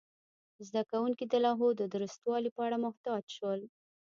زده کوونکي د لوحو د درستوالي په اړه محتاط شول.